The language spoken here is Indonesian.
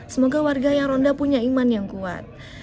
semoga warga yang ronda punya iman yang kuat